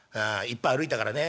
いっぱい歩いたからね。